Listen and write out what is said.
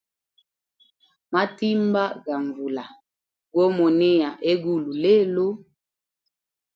Matimba ga nvula go monea hegulu lelo.